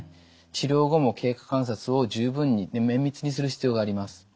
治療後も経過観察を十分に綿密にする必要があります。